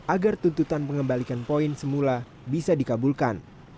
agar tuntutan pengembalikan poin semula bisa dikabulkan